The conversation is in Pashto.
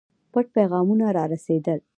پټ پیغامونه را رسېدل.